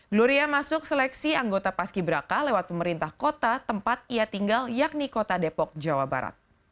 gloria masuk seleksi anggota paski braka lewat pemerintah kota tempat ia tinggal yakni kota depok jawa barat